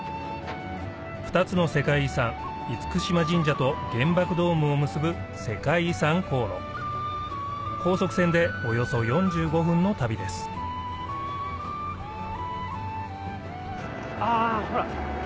２つの世界遺産嚴島神社と原爆ドームを結ぶ世界遺産航路高速船でおよそ４５分の旅ですあほら。